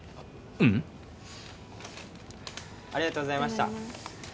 ううん・ありがとうございました